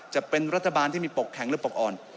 จะเป็นรัฐบาลที่มีปกแข็งและปกอ่อน